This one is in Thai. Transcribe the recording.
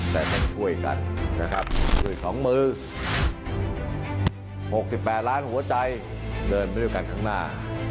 แต่ต้องช่วยกันนะครับด้วย๒มือ๖๘ล้านหัวใจเดินไปด้วยกันข้างหน้า